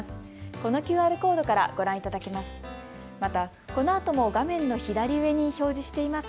このＱＲコードからご覧いただけます。